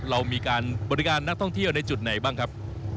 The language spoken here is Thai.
เรามีการบริการนักท่องเที่ยวในจุดไหนบ้างครับ